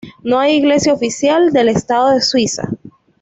No hay iglesia oficial del estado en Suiza.